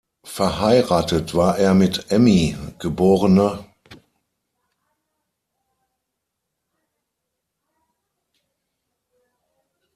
Verheiratet war er mit Emmy, geb.